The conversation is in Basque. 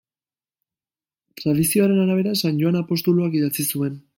Tradizioaren arabera San Joan apostoluak idatzi zuen.